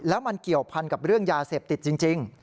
แล้วมันเกี่ยวพันกับเรื่องยาเสพติดจริง